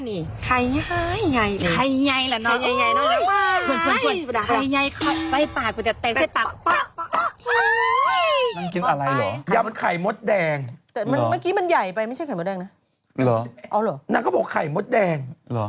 นางก็บอกไข่มดแดง